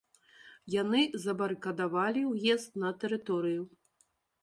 Яны забарыкадавалі ўезд на тэрыторыю.